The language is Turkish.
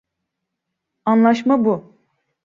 Anlaşma bu.